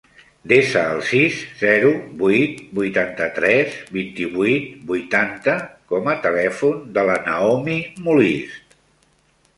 Desa el sis, zero, vuit, vuitanta-tres, vint-i-vuit, vuitanta com a telèfon de la Naomi Molist.